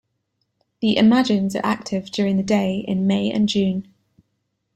The imagines are active during the day in May and June.